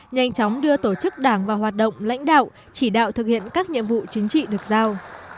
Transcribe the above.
nhanh chóng đưa tổ chức đảng vào hoạt động lãnh đạo chỉ đạo thực hiện các nhiệm vụ chính trị được giao